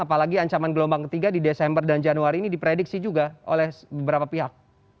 apalagi ancaman gelombang ketiga di desember dan januari ini diprediksi juga oleh beberapa pihak